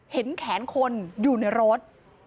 เห็นแขนคนอยู่ในรถ